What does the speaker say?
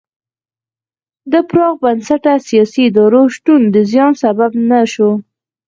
د پراخ بنسټه سیاسي ادارو شتون د زیان سبب نه شو.